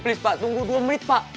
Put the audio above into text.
please pak tunggu dua menit pak